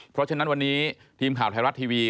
เพราะฉะนั้นวันนี้ทีมข่าวไทยรัฐทีวี